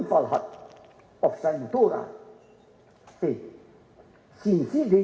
anda melihat anak muda itu atau melihatnya sendiri